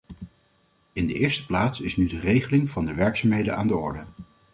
In de eerste plaats is nu de regeling van de werkzaamheden aan de orde.